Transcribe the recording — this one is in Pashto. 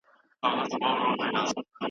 پوه دي سوم له سترګو راته مه وایه ګران څه ویل